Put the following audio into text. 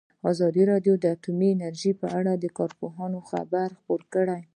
ازادي راډیو د اټومي انرژي په اړه د کارپوهانو خبرې خپرې کړي.